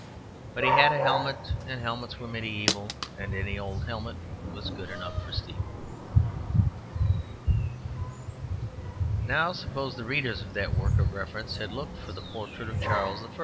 But he had a helmet; and helmets were mediæval; and any old helmet was good enough for Stephen. Now suppose the readers of that work of reference had looked for the portrait of Charles I.